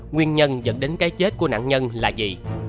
nguyên nhân dẫn đến cái chết của nạn nhân là gì